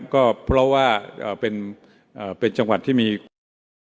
ก็เพราะว่าเป็นจังหวัดที่มีความเสี่ยง